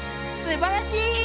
すばらしい！